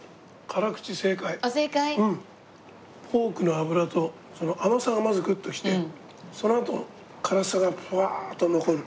ポークの脂と甘さがまずグッときてそのあと辛さがふわっと残る。